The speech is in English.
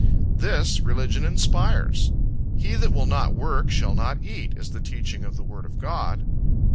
This religion inspires. "He that will not work, shall not eat," is the teaching of the word of God.